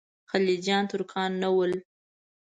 خلجیان ترکان نه ول.